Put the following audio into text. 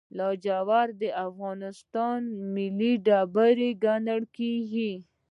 لاجورد د افغانستان ملي ډبره ګڼل کیږي.